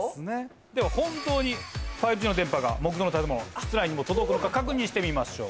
では本当に５Ｇの電波が木造の建物室内にも届くのか確認してみましょう。